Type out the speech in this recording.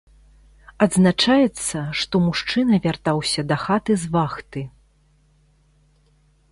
Адзначаецца, што мужчына вяртаўся дахаты з вахты.